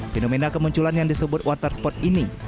fenomena kemunculan yang disebut waterspot ini